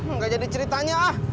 enggak jadi ceritanya ah